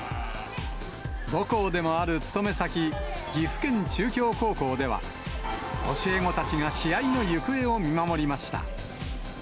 母校でもある勤め先、岐阜県中京高校では、教え子たちが試合の行方を見守りました。